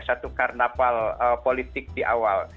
satu karnaval politik di awal